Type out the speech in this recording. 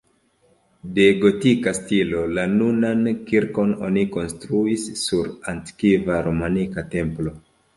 De gotika stilo, la nunan kirkon oni konstruis sur antikva romanika templo.